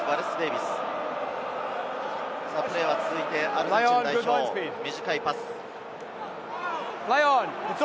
プレーは続いてアルゼンチン代表、短いパス。